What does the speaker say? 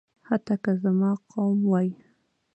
حتی که زما قوم وايي.